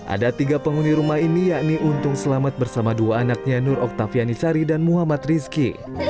ada tiga penghuni rumah ini yakni untung selamat bersama dua anaknya nur oktaviani sari dan muhammad rizki